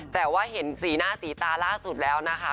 แต่ว่าเห็นสีหน้าสีตาล่าสุดแล้วนะคะ